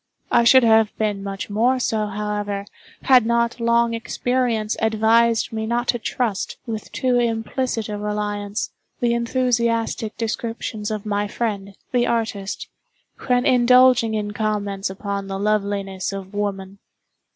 I should have been much more so, however, had not long experience advised me not to trust, with too implicit a reliance, the enthusiastic descriptions of my friend, the artist, when indulging in comments upon the loveliness of woman.